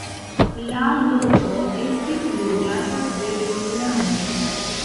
La loko estis loĝata de romianoj.